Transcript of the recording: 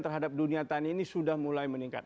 terhadap dunia tani ini sudah mulai meningkat